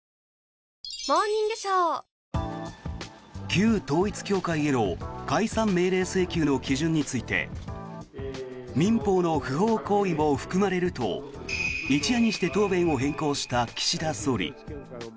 旧統一教会への解散命令請求の基準について民法の不法行為も含まれると一夜にして答弁を変更した岸田総理。